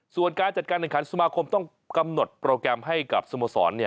ส่วนการจัดการแข่งขันสมาคมต้องกำหนดโปรแกรมให้กับสโมสร